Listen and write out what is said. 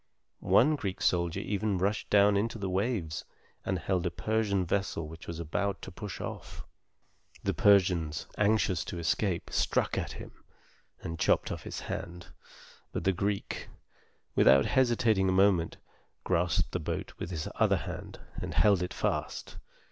One Greek soldier even rushed down into the waves, and held a Persian vessel which was about to push off. The Persians, anxious to escape, struck at him, and chopped off his hand; but the Greek, without hesitating a moment, grasped the boat with his other hand, and held it fast.